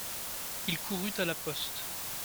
Il courut à la poste.